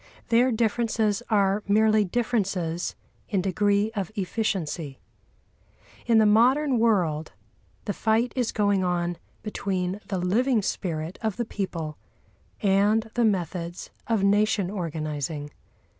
Their differences are merely differences in degree of efficiency. In the modern world the fight is going on between the living spirit of the people and the methods of nation organising.